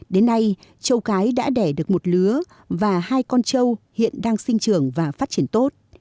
đến nay trâu cái đã đẻ được một lứa và hai con trâu hiện đang sinh trường và phát triển tốt